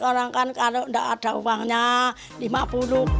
orang kan kalau tidak ada uangnya rp lima puluh